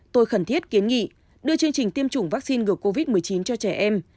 tôi khẩn thiết kiến nghị đưa chương trình tiêm chủng vaccine ngừa covid một mươi chín cho trẻ em